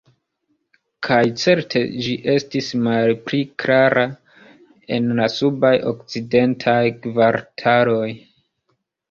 Kaj certe ĝi estis malpli klara en la subaj okcidentaj kvartaloj.